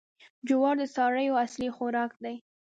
جوار د څارویو اصلي خوراک دی.